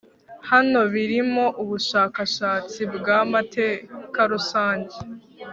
hano birimo ubushakashatsi bwamatekarusange